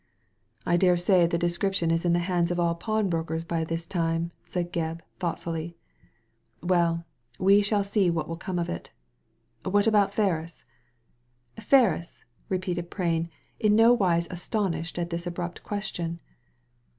" I dare say the description is in the hands of all pawnbrokers by this time," said Gebb, thoughtfully. "Well, we shall see what will come of it What about Ferris ?"" Ferris !" repeated Prain, in no wise astonished at this abrupt question.